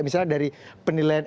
misalnya dari penilaian